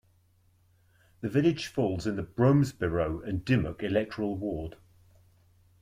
The village falls in the 'Bromesberrow and Dymock' electoral ward.